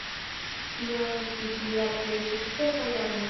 Tio estis lia plej sukcesa jaro.